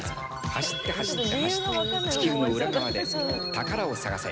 走って、走って、走って地球の裏側で宝を探せ。